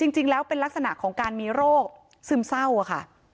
จริงแล้วเป็นลักษณะของการมีโรคซึมเศร้าค่ะ